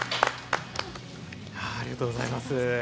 ありがとうございます。